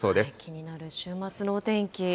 気になる週末のお天気。